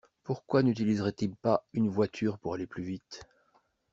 Pourquoi n’utiliserait-il pas une voiture pour aller plus vite?